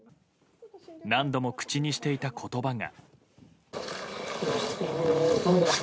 何度も口にしていた言葉が。